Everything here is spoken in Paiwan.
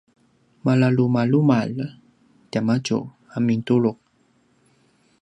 malalumalumalj tiamadju a mintulu’